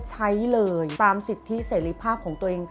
ใช้เลยตามสิทธิเสรีภาพของตัวเอง